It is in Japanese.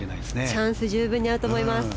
チャンスは十分にあると思います。